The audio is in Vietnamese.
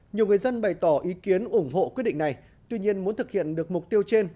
nhiều người dân bày tỏ ý kiến ủng hộ quyết định này tuy nhiên muốn thực hiện được mục tiêu trên